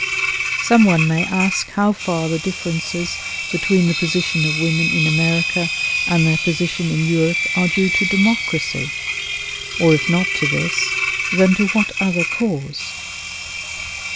Some one may ask how far the differences between the position of women in America and their position in Europe are due to democracy? or if not to this, then to what other cause?